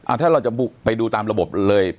ถ้าเราจะไปดูตามระบบเลย